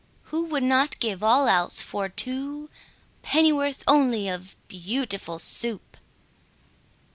Who would not give all else for two Pennyworth only of Beautiful Soup?